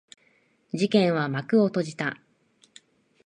事件は幕を閉じた。